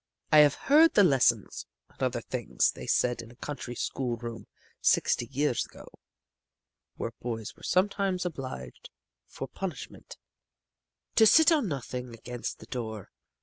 I have heard the lessons and other things they said in a country school room sixty years ago, where boys were sometimes obliged, for punishment, to sit on nothing against the door.